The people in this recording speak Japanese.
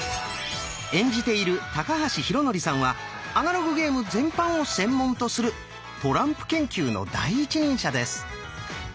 演じている高橋浩徳さんはアナログゲーム全般を専門とするトランプ研究の第一人者です。